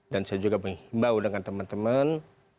dan saya juga mengimbau dengan teman teman